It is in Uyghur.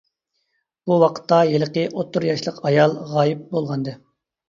بۇ ۋاقىتتا ھېلىقى ئوتتۇرا ياشلىق ئايال غايىب بولغانىدى.